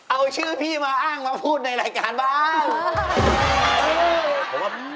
เอาชื่อพี่มาอ้างมาพูดในรายการบ้าง